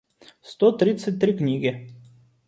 сто тридцать три книги